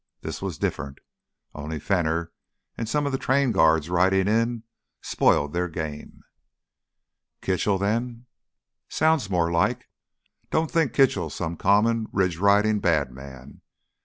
This was different. Only Fenner an' some of the train guards ridin' in spoiled their game." "Kitchell then?" "Sounds more like. Don't think Kitchell's some common ridge ridin' bad man.